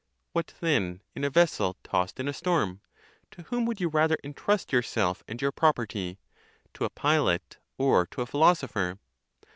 — What then, in a vessel tost in a storm? 'Towhom would you rather intrust yourself and your property ? To a pilot, or to a philosopher